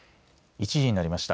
１時になりました。